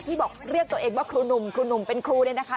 บอกเรียกตัวเองว่าครูหนุ่มครูหนุ่มเป็นครูเนี่ยนะคะ